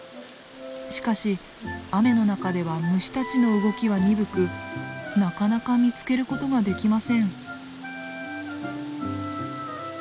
しかし雨の中では虫たちの動きは鈍くなかなか見つけることができません。